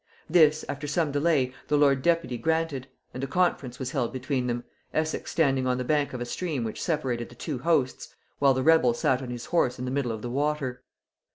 This, after some delay, the lord deputy granted; and a conference was held between them, Essex standing on the bank of a stream which separated the two hosts, while the rebel sat on his horse in the middle of the water.